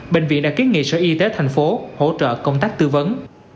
bệnh viện đã kiến nghị sở y tế thành phố hỗ trợ công tác tư vấn